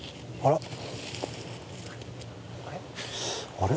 あれ？